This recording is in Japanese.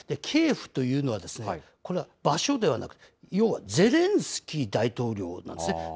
キエフというのは、これは場所ではなく、ようはゼレンスキー大統領なんですね。